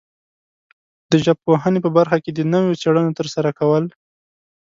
د ژبپوهنې په برخه کې د نویو څېړنو ترسره کول